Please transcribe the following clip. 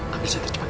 ambil sedikit cepat